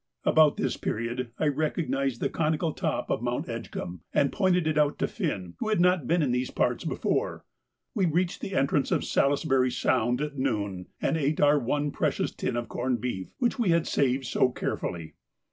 About this period I recognised the conical top of Mount Edgcumbe, and pointed it out to Finn, who had not been in these parts before. We reached the entrance of Salisbury Sound at noon, and ate our one precious tin of corned beef, which we had saved so carefully.